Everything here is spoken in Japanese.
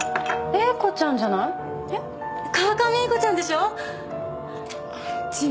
川上英子ちゃんでしょ？